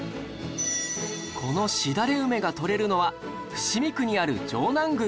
このしだれ梅が撮れるのは伏見区にある城南宮